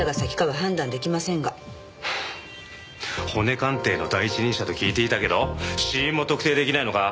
はあ骨鑑定の第一人者と聞いていたけど死因も特定出来ないのか。